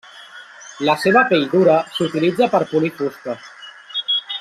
La seva pell dura s'utilitza per polir fusta.